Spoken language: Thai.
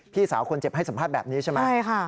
พี่สาวคนเจ็บให้สัมภาษณ์แบบนี้ใช่ไหมใช่ค่ะ